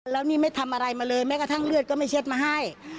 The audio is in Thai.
แล้วนี่ไม่ทำอะไรมาเลยแม้กระทั่งเลือดก็ไม่เช็ดมาให้